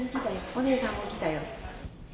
おねえさんも来たよ。